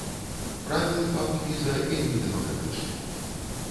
Правілы паб-квіза вельмі дэмакратычныя.